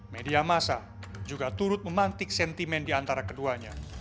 media masa juga turut memantik sentimen di antara keduanya